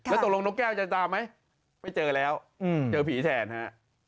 แล้วตกลงนกแก้วจะตามไหมไม่เจอแล้วเจอผีแทนฮะ